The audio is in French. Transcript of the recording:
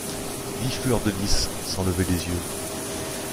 dit Fleur-de-Lys sans lever les yeux.